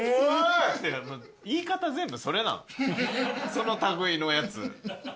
その類いのやつ。